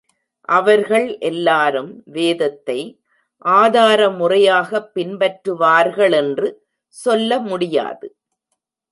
அவர்கள் எல்லாரும் வேதத்தை ஆதாரமுறையாகப் பின்பற்றுவார்களென்று சொல்ல முடியாது.